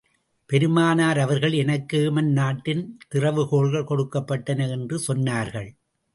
பெருமானார் அவர்கள், எனக்கு ஏமன் நாட்டின் திறவு கோல்கள் கொடுக்கப் பட்டன என்று சொன்னார்கள்.